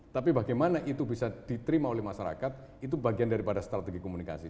tapi bagaimana itu bisa diterima oleh masyarakat itu bagian daripada strategi komunikasi